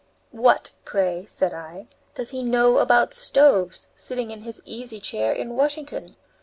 "What, pray," said I, "does he know about stoves, sitting in his easy chair in Washington?